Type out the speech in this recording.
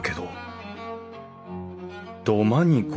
土間に格